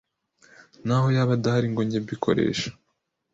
n’aho yaba adahari ngo njye mbikoresha